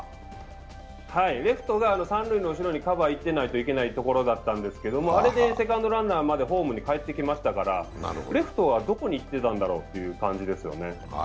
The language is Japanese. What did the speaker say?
レフトが三塁の後ろにカバーに行っていないといけないところだったんですけど、あれでセカンドランナー、ホームに帰ってきましたからレフトはどこに行ってたんだろう？という感じですよね。